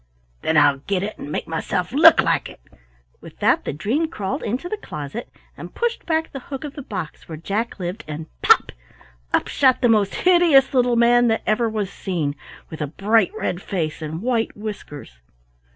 "Then I'll get it, and make myself look like it." With that the dream crawled into the closet, and pushed back the hook of the box where Jack lived, and pop! up shot the most hideous little man that ever was seen, with a bright red face and white whiskers.